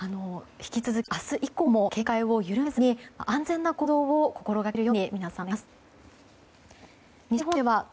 引き続き明日以降も警戒を緩めずに安全な行動を心掛けるように皆さん、お願いします。